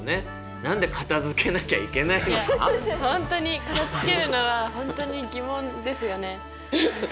本当に片づけるのは本当に疑問ですよね。